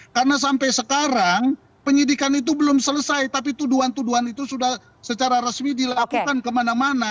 karena sampai sekarang penyidikan itu belum selesai tapi tuduhan tuduhan itu sudah secara resmi dilakukan kemana mana